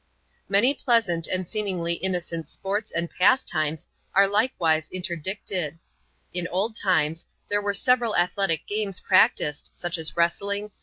Many pleasant and seemingly innocent sports and pastimes are likewise interdicted. In old times, thev^ YieY^ «»^N^YiL ^jCs^r letic games practised, such as wrestling, ioo\.